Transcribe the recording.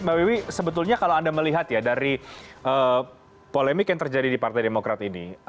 mbak wiwi sebetulnya kalau anda melihat ya dari polemik yang terjadi di partai demokrat ini